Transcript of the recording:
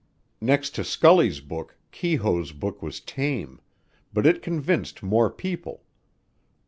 Next to Scully's book Keyhoe's book was tame, but it convinced more people.